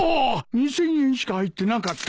２，０００円しか入ってなかったか。